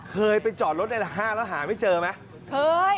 เคยไปจอดรถในห้างแล้วหาไม่เจอไหมเคย